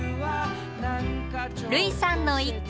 類さんの一句。